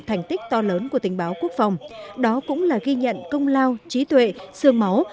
thành tích to lớn của tình báo quốc phòng đó cũng là ghi nhận công lao trí tuệ sương máu